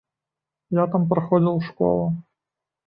Я там праходзіў школу.